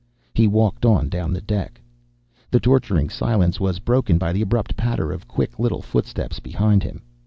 He walked on down the deck. The torturing silence was broken by the abrupt patter of quick little footsteps behind him.